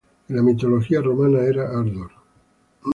En la mitología romana era Ardor.